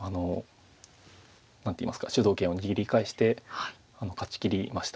何ていいますか主導権を握り返して勝ちきりました。